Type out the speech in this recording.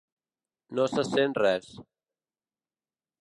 No se sent res.